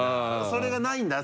それがないんだ。